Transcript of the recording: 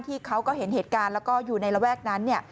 เขาก็เห็นเหตุการณ์แล้วก็อยู่ในระแวกนั้น